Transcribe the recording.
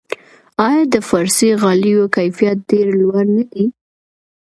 آیا د فارسي غالیو کیفیت ډیر لوړ نه دی؟